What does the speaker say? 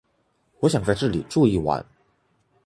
我想在这里住一晚